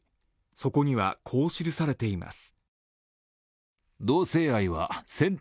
そこには、こう記されています。